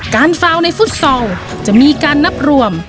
ฟาวในฟุตซอลจะมีการนับรวม